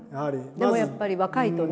でもやっぱり若いとね